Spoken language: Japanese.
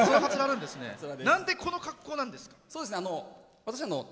なんでこの格好なんですか？